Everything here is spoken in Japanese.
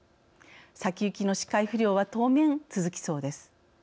先行きの視界不良は当面、続きそうです。